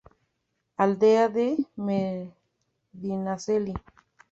Aldea de Medinaceli.